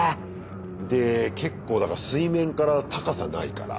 で結構だから水面から高さないから。